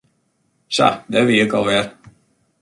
Sa, dêr wie ik al wer.